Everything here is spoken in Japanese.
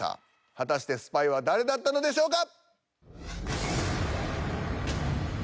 果たしてスパイは誰だったのでしょうか？